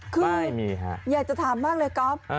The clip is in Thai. คืออยากจะถามมากเลยก๊อฟ